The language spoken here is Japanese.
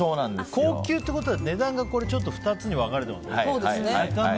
高級ってことは値段が２つに分かれてますよね。